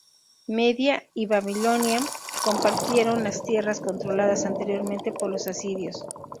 Media y Babilonia compartieron las tierras controladas anteriormente por los asirios.